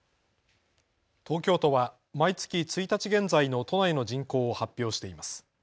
東京都は毎月１日現在の都内の人口を発表しています。